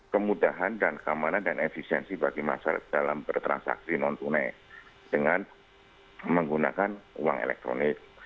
kemudahan dan keamanan dan efisiensi bagi masyarakat dalam bertransaksi non tunai dengan menggunakan uang elektronik